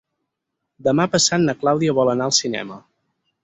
Demà passat na Clàudia vol anar al cinema.